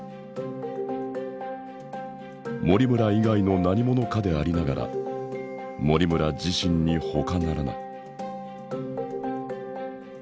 森村以外の何者かでありながら森村自身にほかならない。